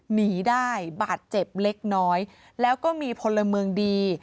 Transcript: หนีได้บาดเจ็บเล็กน้อยแล้วก็มีพลเมืองดี